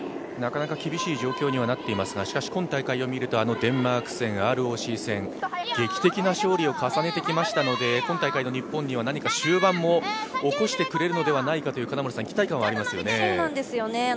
なかなか厳しい状況にはなっていますが、今大会を見るとデンマーク戦、ＲＯＣ戦、劇的な勝利を重ねてきましたので今大会の日本には何か終盤も起こしてくれるのではないかという期待感はありますよね。